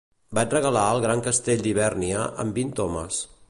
Vaig regalar el gran castell d'Hivèrnia amb vint homes.